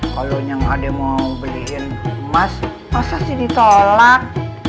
kalau yang ada mau beliin emas masa sih ditolak